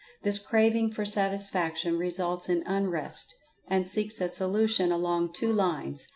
This craving for Satisfaction results in Unrest, and seeks a solution along two lines.